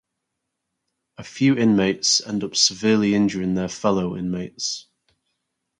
A few inmates end up severely injuring their fellow inmates.